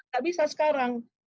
tidak bisa sekarang